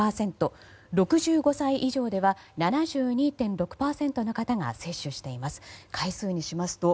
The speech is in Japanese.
６５歳以上では７２．６％の方が接種しています。